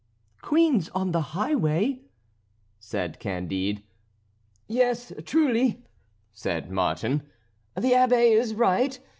" "Queens on the highway!" said Candide. "Yes, truly," said Martin, "the Abbé is right.